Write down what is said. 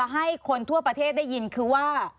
ให้คนทั่วประเทศได้ยินคือว่า